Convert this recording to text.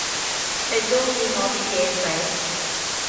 你鍾意我啲嘢食？